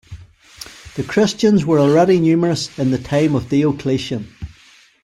The Christians were already numerous in the time of Diocletian.